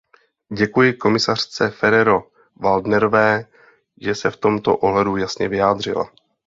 Děkuji komisařce Ferrero-Waldnerové, že se v tomto ohledu jasně vyjádřila.